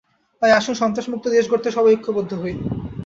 তাই আসুন সন্ত্রাসমুক্ত দেশ গড়তে সবাই ঐক্যবদ্ধ হই।